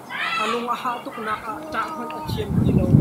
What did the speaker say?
A lung a hah tuk naak ah ṭah hmanh a thiam ti lo.